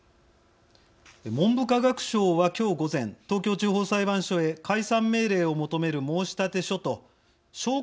文部科学省は今日午前東京地方裁判所へ解散命令を求める申立書と証拠書類を提出しました。